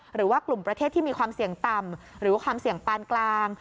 หรือว่ากลุ่มประเทศที่มีความเสี่ยงต่ำหรือความเสี่ยงปานกลาง